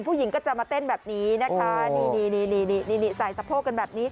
ผู้หญิงก็จะมาเต้นแบบนี้นะคะนี่นี่ใส่สะโพกกันแบบนี้